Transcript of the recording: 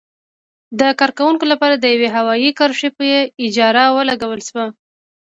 د کارکوونکو لپاره د یوې هوايي کرښې په اجاره ولګول شوه.